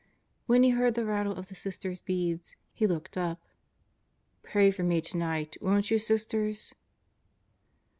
When he heard the rattle of the Sisters' beads he looked up. "Pray for me tonight, won't you, Sisters?"